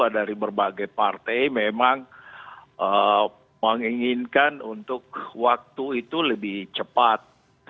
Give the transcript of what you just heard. dari berbagai partai memang menginginkan untuk waktu itu lebih cepat